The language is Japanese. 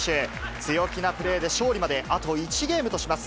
強気なプレーで、勝利まであと１ゲームとします。